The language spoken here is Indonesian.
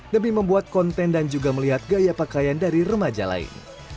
demi membuat konten dan juga melihat gaya pakaian dari remaja lain